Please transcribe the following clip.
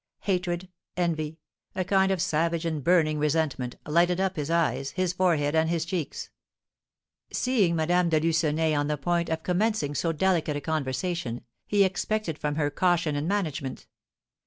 Hatred, envy, a kind of savage and burning resentment, lighted up his eyes, his forehead, and his cheeks. Seeing Madame de Lucenay on the point of commencing so delicate a conversation, he expected from her caution and management.